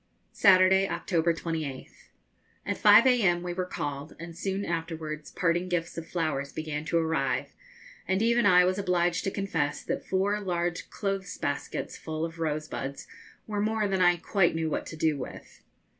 Saturday, October 28th. At 5 a.m. we were called, and soon afterwards parting gifts of flowers began to arrive, and even I was obliged to confess that four large clothes baskets full of rosebuds were more than I quite knew what to do with.